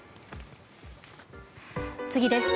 次です。